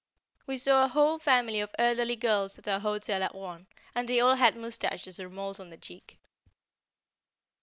We saw a whole family of elderly girls at our hotel at Rouen, and they all had moustaches or moles on the cheek.